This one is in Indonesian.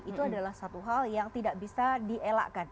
itu adalah satu hal yang tidak bisa dielakkan